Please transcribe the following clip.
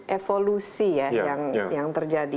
evolusi yang terjadi